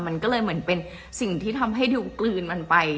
มันก็เลยเหมือนเป็นสิ่งที่ทำให้ดูกลืนมันไป